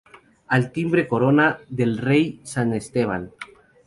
Al timbre corona del rey San Esteban.